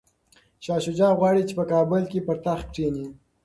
شاه شجاع غواړي چي په کابل کي پر تخت کښیني.